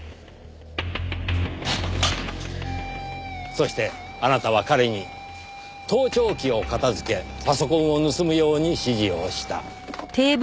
そしてあなたは彼に盗聴器を片付けパソコンを盗むように指示をした。